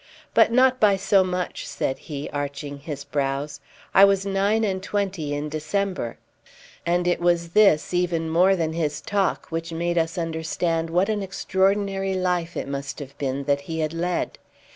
"But not by so much," said he, arching his brows. "I was nine and twenty in December." And it was this even more than his talk which made us understand what an extraordinary life it must have been that he had led.